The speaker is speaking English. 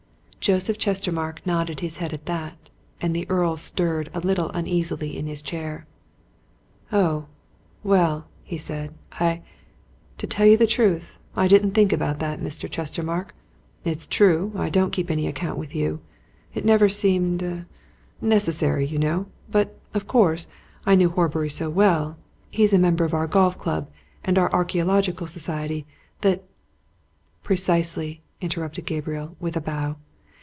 Joseph Chestermarke nodded his head at that, and the Earl stirred a little uneasily in his chair. "Oh, well!" he said. "I to tell you the truth, I didn't think about that, Mr. Chestermarke. It's true I don't keep any account with you it's never seemed er, necessary, you know. But, of course, I knew Horbury so well he's a member of our golf club and our archæological society that " "Precisely," interrupted Gabriel, with a bow.